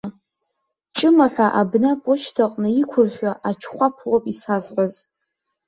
Ҷыма ҳәа абна аԥошьҭаҟны иқәыршәу ачхәаԥ лоуп исазҳәаз.